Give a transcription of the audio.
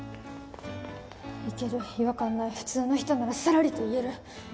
イケる違和感ない普通の人ならさらりと言える！